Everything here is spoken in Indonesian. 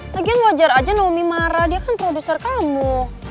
lagian wajar aja nomi marah dia kan produser kamu